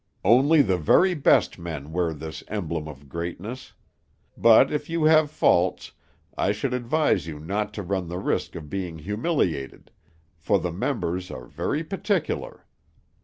Only the very best men wear this emblem of greatness. But if you have faults, I should advise you not to run the risk of being humiliated, for the members are very particular.